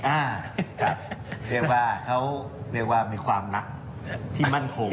อ่าครับเขาเรียกว่ามีความรักที่มั่นคง